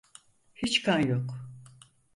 Hiç kan yok.